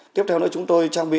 tiếp theo nữa chúng tôi trang bị